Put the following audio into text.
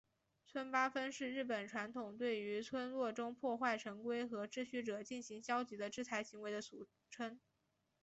村八分是日本传统中对于村落中破坏成规和秩序者进行消极的制裁行为的俗称。